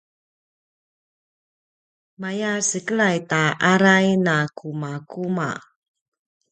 maya sekelay ta aray na kumakuma